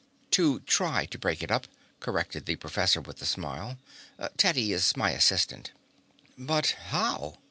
"To try to break it up," corrected the professor with a smile. "'Teddy' is my assistant." "But how?"